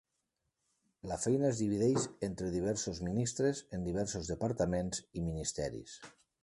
La feina es divideix entre diversos ministres en diversos departaments i ministeris.